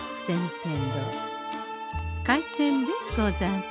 天堂開店でござんす。